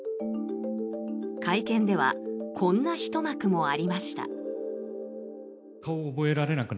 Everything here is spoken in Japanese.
会見ではこんなひと幕もありました。